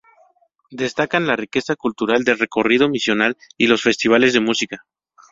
Destacan la riqueza cultural del recorrido misional y los festivales de música.